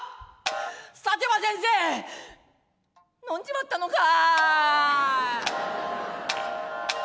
さては先生飲んじまったのか？」。